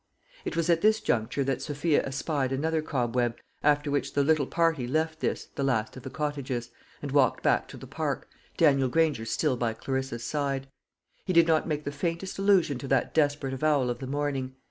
It was at this juncture that Sophia espied another cobweb, after which the little party left this the last of the cottages, and walked back to the park, Daniel Granger still by Clarissa's side. He did not make the faintest allusion to that desperate avowal of the morning.